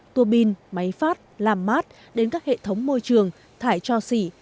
tuô bin máy phát làm mát đến các hệ thống môi trường thải cho xỉ